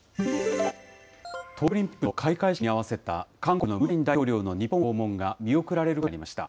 東京オリンピックの開会式に合わせた韓国のムン・ジェイン大統領の日本訪問が見送られることになりました。